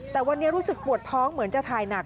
แต่วันนี้รู้สึกปวดท้องเหมือนจะถ่ายหนัก